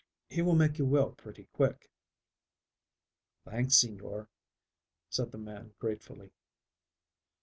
He will make you well pretty quick." "Thanks, señor," said the man gratefully.